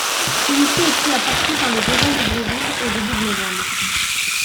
Celui-ci est pris à partie par le devant Libreville au début de novembre.